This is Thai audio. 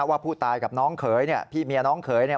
ว่าผู้ตายกับน้องเขยเนี่ยพี่เมียน้องเขยเนี่ย